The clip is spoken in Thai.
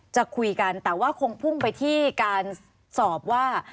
จะคุยกันแต่ว่าคงพุ่งไปที่การสอบว่า